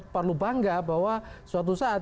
perlu bangga bahwa suatu saat